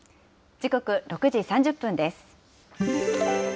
時刻６時３０分です。